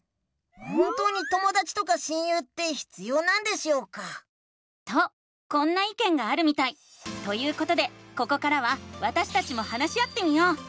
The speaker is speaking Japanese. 本当にともだちとか親友って必要なんでしょうか？とこんないけんがあるみたい！ということでここからはわたしたちも話し合ってみよう！